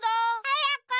はやく！